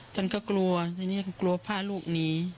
ฉันก็กลัวทีนี้ก็กลัวพาลูกหนี